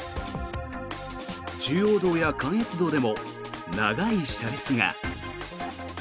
中央道や関越道でも長い車列が。